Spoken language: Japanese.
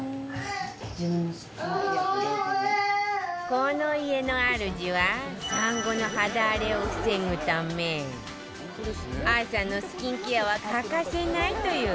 この家の主は産後の肌荒れを防ぐため朝のスキンケアは欠かせないという